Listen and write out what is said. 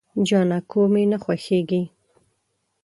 جانکو مې نه خوښيږي.